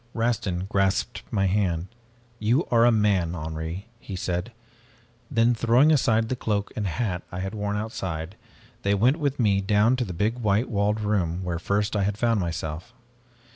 "Rastin grasped my hand. 'You are a man, Henri,' he said. Then, throwing aside the cloak and hat I had worn outside, they went with me down to the big white walled room where first I had found myself.